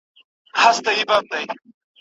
ما پخوا لا طبیبان وه رخصت کړي